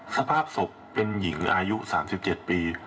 สภาพศพเป็นหญิงอายุ๓๗ปี